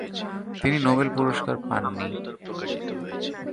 তিনি নোবেল পুরস্কার পাননি।